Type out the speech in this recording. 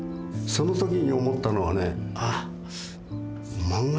その時に思ったのはね